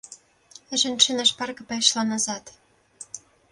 Жанчына шпарка пайшла назад.